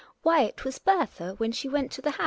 Why it was Bertha when she went to th» house.